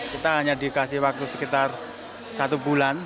kita hanya dikasih waktu sekitar satu bulan